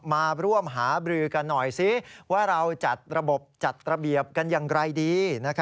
มาร่วมหาบรือกันหน่อยสิว่าเราจัดระบบจัดระเบียบกันอย่างไรดี